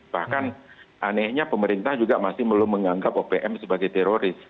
bahkan anehnya pemerintah juga masih belum menganggap opm sebagai teroris